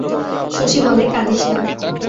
শশী বলে, কাঁদিস না।